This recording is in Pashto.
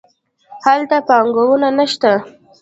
هلته پانګونه نه شته.